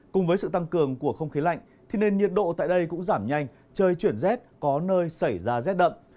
cùng với sự tăng cường của không khí lạnh thì nền nhiệt độ tại đây cũng giảm nhanh trời chuyển rét có nơi xảy ra rét đậm